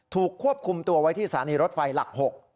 ถูกควบคุมตัวไว้ที่สถานีรถไฟหลัก๖